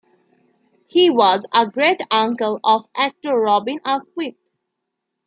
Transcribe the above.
He was a great-uncle of actor Robin Askwith.